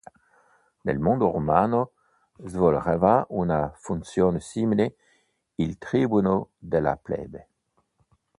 Nel mondo romano svolgeva una funzione simile il tribuno della plebe.